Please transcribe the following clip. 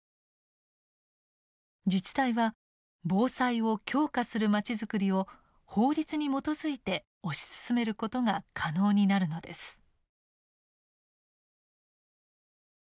自治体は防災を強化するまちづくりを法律に基づいて推し進めることが可能になるのです。